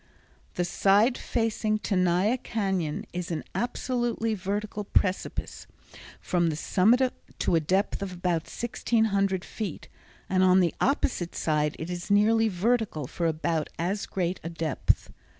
The side facing Tenaya Cañon is an absolutely vertical precipice from the summit to a depth of about 1600 feet, and on the opposite side it is nearly vertical for about as great a depth.